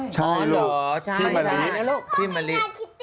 ใช่ก็ชอบอ๋อใช่พี่มะลิ